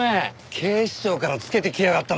警視庁からつけてきやがったのかよ。